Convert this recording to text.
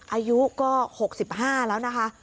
อายุก็๖๕แล้วนะคะ